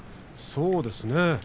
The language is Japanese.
そうですね。